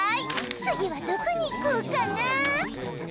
次はどこに行こうかな